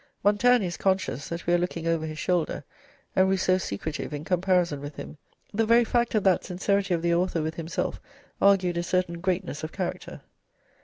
Montaigne is conscious that we are looking over his shoulder, and Rousseau secretive in comparison with him. The very fact of that sincerity of the author with himself argued a certain greatness of character.